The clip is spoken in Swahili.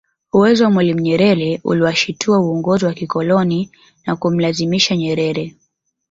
Uwezo wa mwalimu Nyerere uliwashitua uongozi wa kikoloni na kumlazimisha Nyerere